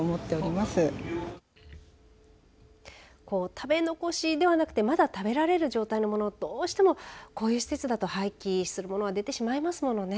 食べ残しではなくてまだ食べれる状態のものどうしてもこういう施設だと廃棄するもの出てしまいますものね。